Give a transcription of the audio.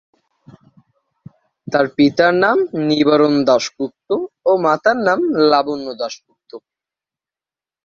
তার পিতার নাম নিবারণ দাশগুপ্ত ও মাতার নাম লাবণ্য দাশগুপ্ত।